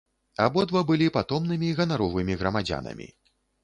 Абодва былі патомнымі ганаровымі грамадзянамі.